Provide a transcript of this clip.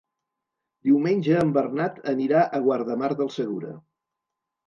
Diumenge en Bernat anirà a Guardamar del Segura.